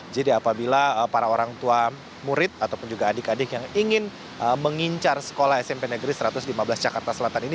jadi apabila para orang tua murid ataupun juga adik adik yang ingin mengincar sekolah smp negeri satu ratus lima belas jakarta selatan ini